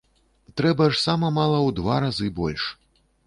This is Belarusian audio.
Трэба ж сама мала ў два разы больш.